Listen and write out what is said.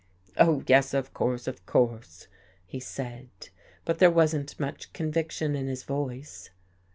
" Oh, yes, of course, of course," he said. But there wasn't much conviction in his voice.